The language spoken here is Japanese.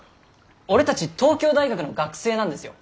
俺たち東京大学の学生なんですよ！